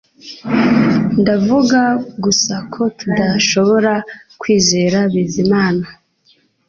Ndavuga gusa ko tudashobora kwizera Bizimana